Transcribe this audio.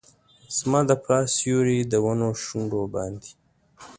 زما د پلار سیوري ، د ونو شونډو باندې